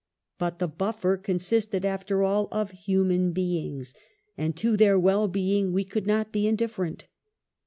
^ But the "buffer" consisted, after all, of human beings, and to their well being we could not be indifferent.